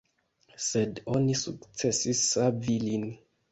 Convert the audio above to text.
Sed oni sukcesis savi lin.